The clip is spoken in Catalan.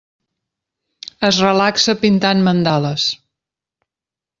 Es relaxa pintant mandales.